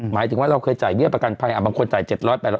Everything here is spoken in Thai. หมายถึงว่าเราเคยจ่ายเบี้ยประกันภัยบางคนจ่าย๗๐๐๘๐๐